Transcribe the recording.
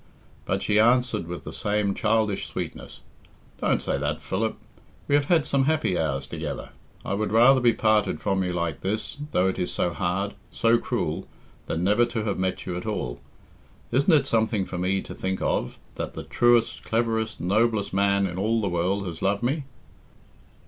But she answered with the same childish sweetness, "Don't say that, Philip. We have had some happy hours together. I would rather be parted from you like this, though it is so hard, so cruel, than never to have met you at all. Isn't it something for me to think of, that the truest, cleverest, noblest man in all the world has loved me?...